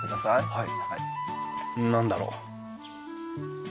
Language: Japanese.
はい。